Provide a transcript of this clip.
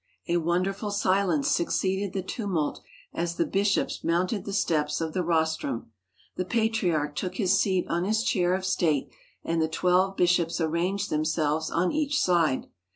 A wonderful silence succeeded the tumult as the bishops mounted the steps of the rostrum. The Patriarch took his seat on his chair of state and the twelve bishops arranged themselves on each side.